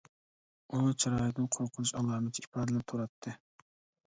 ئۇنىڭ چىرايىدىن قورقۇنچ ئالامىتى ئىپادىلىنىپ تۇراتتى.